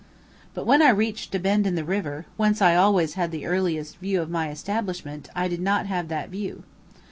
But when I reached a bend in the river road, whence I always had the earliest view of my establishment, I did not have that view.